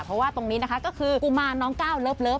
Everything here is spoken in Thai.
เพราะว่าตรงนี้นะคะก็คือกุมารน้องก้าวเลิฟ